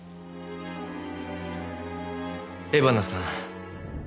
江花さん。